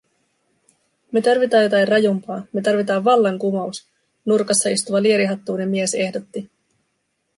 “Me tarvitaan jotai rajumpaa, me tarvitaan vallankumous”, nurkassa istuva lierihattuinen mies ehdotti.